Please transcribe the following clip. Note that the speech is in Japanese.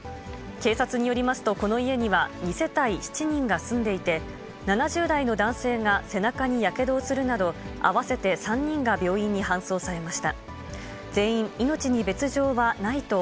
警察によりますと、この家には２世帯７人が住んでいて、７０代の男性が背中にやけどをするなど、合わせて３人が病院に搬送されました。